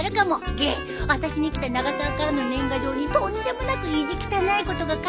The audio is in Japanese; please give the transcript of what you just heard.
げっあたしに来た永沢からの年賀状にとんでもなく意地汚いことが書いてあるよ。